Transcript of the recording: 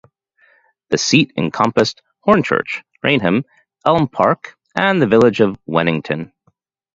The seat encompassed Hornchurch, Rainham, Elm Park and the village of Wennington.